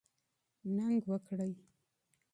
قرباني ورکړئ.